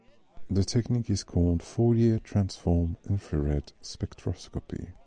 The technique is called Fourier transform infrared spectroscopy.